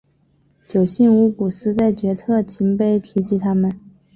九姓乌古斯在阙特勤碑提及他们。